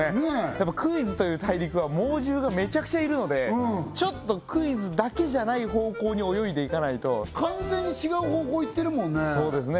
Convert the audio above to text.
やっぱクイズという大陸は猛獣がめちゃくちゃいるのでうんちょっとクイズだけじゃない方向に泳いでいかないと完全に違う方向行ってるもんねそうですね